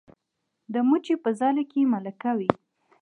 د مچۍ په ځاله کې ملکه وي